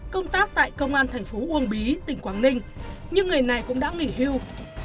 công tác tại công an thành phố uông bí tỉnh quảng ninh nhưng người này cũng đã nghỉ hưu